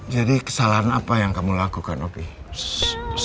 jadi kesalahan apa yang kamu lakukan ustadz